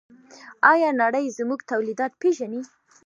آیا نړۍ زموږ تولیدات پیژني؟